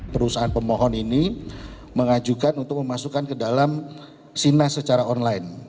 perusahaan pemohon ini mengajukan untuk memasukkan ke dalam sinas secara online